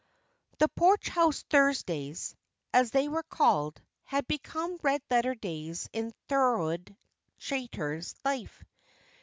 "The Porch House Thursdays," as they were called, had become red letter days in Thorold Chaytor's life.